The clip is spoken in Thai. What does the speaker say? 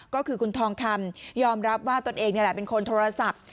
ก็คือคุณทองคำยอมรับว่าตนเองนี่แหละเป็นคนโทรศัพท์